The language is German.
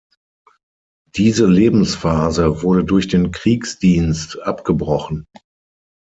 Diese Lebensphase wurde durch den Kriegsdienst abgebrochen.